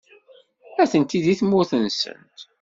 Atenti deg tmurt-nsent.